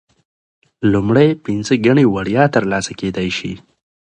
لومړۍ پنځه ګڼې وړیا ترلاسه کیدی شي.